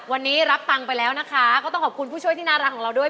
วันนี้รับตังค์ไปแล้วนะคะก็ต้องขอบคุณผู้ช่วยที่น่ารักของเราด้วย